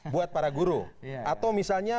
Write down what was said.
buat para guru atau misalnya